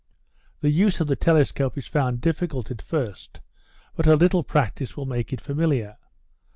The use of the telescope is found difficult at first, but a little practice will make it familiar.